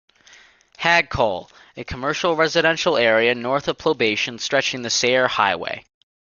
Hagkol- a commercial-residential area north of Poblacion stretching the Sayre Highway.